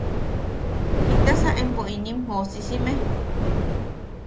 ¿Jitasa empo inim joosisime?